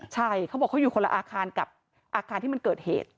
ใช่เขาบอกเขาอยู่คนละอาคารกับอาคารที่มันเกิดเหตุ